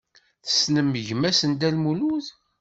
Tessnem gma-s n Dda Lmulud?